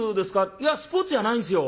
「いやスポーツじゃないんですよ」。